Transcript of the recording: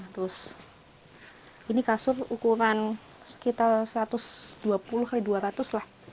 terus ini kasur ukuran sekitar satu ratus dua puluh x dua ratus lah